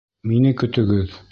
Мине көтөгөҙ!